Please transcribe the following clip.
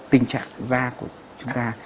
tình trạng da của chúng ta